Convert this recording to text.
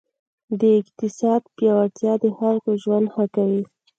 د اقتصاد پیاوړتیا د خلکو ژوند ښه کوي.